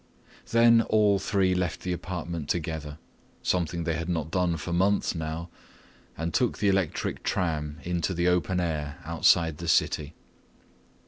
Then all three left the apartment together, something they had not done for months now, and took the electric tram into the open air outside the city.